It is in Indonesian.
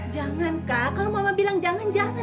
jangan kah kalau mama bilang jangan jangan